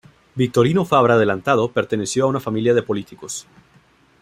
Victorino Fabra Adelantado perteneció a una familia de políticos.